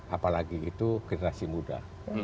apalagi itu generasi muda